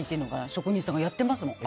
職人さんがやってますもん。